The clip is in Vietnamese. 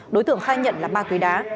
đối tượng khai nhận là ba tuỷ đá